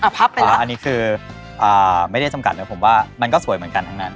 แต่ว่าอันนี้คือไม่ได้จำกัดเลยผมว่ามันก็สวยเหมือนกันทั้งนั้น